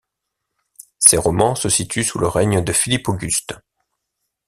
Ces romans se situent sous le règne de Philippe Auguste.